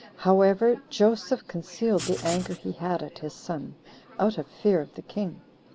However, Joseph concealed the anger he had at his son, out of fear of the king.